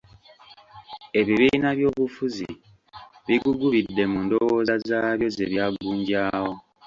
Ebibiina by'obufuzi bigugubidde mu ndowooza zaabyo ze byagunjaawo.